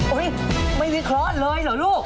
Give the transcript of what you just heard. ไม่วิเคราะห์เลยเหรอลูก